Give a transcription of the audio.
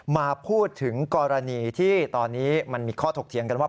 มาพูดถึงกรณีที่ตอนนี้มันมีข้อถกเถียงกันว่า